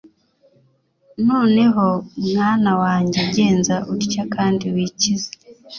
Noneho mwana wanjye genza utya kandi wikize